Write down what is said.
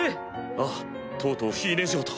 ああとうとうフィーネ嬢と。